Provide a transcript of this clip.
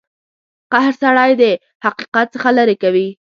قهر سړی د حقیقت څخه لرې کوي.